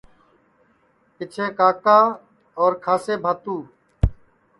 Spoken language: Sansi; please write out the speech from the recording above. پِچھیں کاکا اور کھانٚسے بھاتو اِندرا گاندھیا کی گڈؔیا آگے سوئی گے